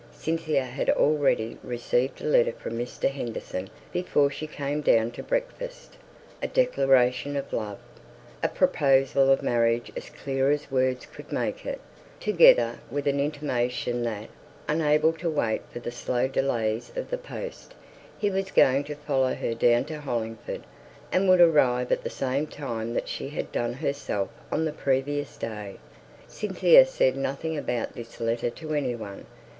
Cynthia had already received a letter from Mr. Henderson before she came down to breakfast, a declaration of love, a proposal of marriage as clear as words could make it; together with an intimation that, unable to wait for the slow delays of the post, he was going to follow her down to Hollingford, and would arrive at the same time that she had done herself on the previous day. Cynthia said nothing about this letter to any one.